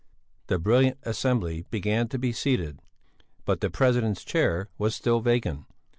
The brilliant assembly began to be seated. But the president's chair was still vacant.